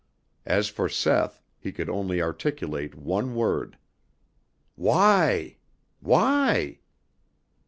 As for Seth, he could only articulate one word: "Why? Why?"